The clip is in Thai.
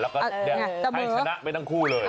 แล้วก็เก็บฉนะไปตั้งคู่เลย